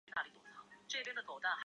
西恩是民主党人。